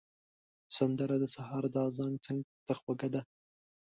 سندره د سهار د اذان څنګ ته خوږه ده